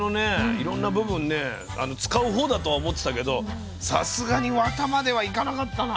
いろんな部分ね使う方だとは思ってたけどさすがにワタまではいかなかったな。